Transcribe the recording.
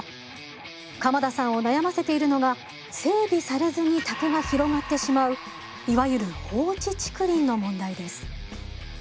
鎌田さんを悩ませているのが整備されずに竹が広がってしまういわゆる放置竹林の問題です。